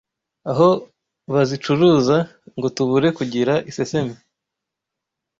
aho bazicuruza ngo tubure kugira iseseme.